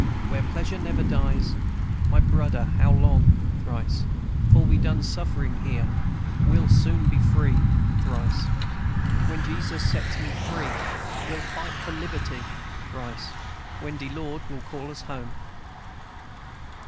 _ Where pleasure never dies. My brudder, how long (Thrice.) 'Fore we done sufferin' here? We'll soon be free (Thrice.) When Jesus sets me free. We'll fight for liberty (Thrice.) When de Lord will call us home."